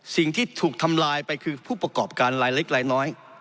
สิ่งที่ถูกทำลายไปคือผู้ประกอบการลายเล็กลายน้อย